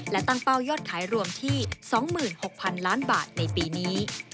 และตั้งเป้ายอดขายรวมที่๒๖๐๐๐ล้านบาทในปีนี้